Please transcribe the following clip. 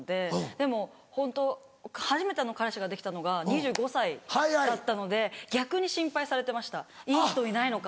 でもホント初めての彼氏ができたのが２５歳だったので逆に心配されてましたいい人いないのか？